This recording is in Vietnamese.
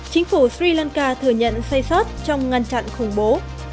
chính phủ sri lanka thừa nhận say sót trong ngăn chặn khủng bố